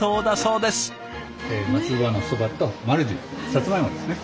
松葉のそばと丸十サツマイモですね。